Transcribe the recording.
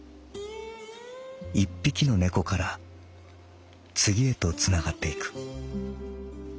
『一匹の猫から次へとつながっていく』」。